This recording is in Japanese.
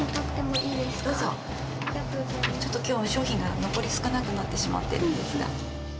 ちょっと今日は商品が残り少なくなってしまっているんですが。